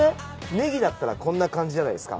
ネギだったらこんな感じじゃないですか。